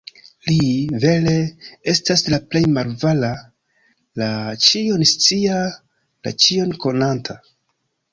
Li, vere, estas la Plej Malavara, la Ĉion-Scia, la Ĉion-Konanta.